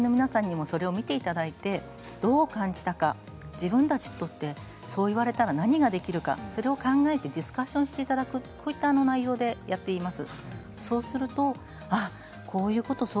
周りの皆さんにもそれを見ていただいてどう感じたか自分がそう言われたら何ができるかそれを考えてディスカッションしていただくそういう内容でやっています。